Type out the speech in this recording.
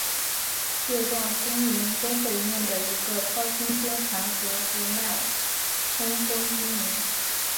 蟹状星云东北面的一个超新星残骸和脉冲风星云。